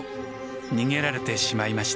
逃げられてしまいました。